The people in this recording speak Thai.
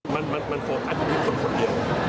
มันโฟร์อัตโนมิติคนคนเดียว